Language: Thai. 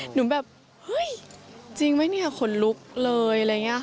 หนูแบบเฮ้ยจริงไหมเนี่ยขนลุกเลยอะไรอย่างนี้ค่ะ